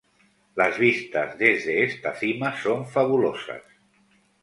Las vistas desde esta cima son fabulosas.